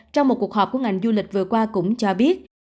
trong một cuộc họp của ngành du lịch vừa qua cũng cho biết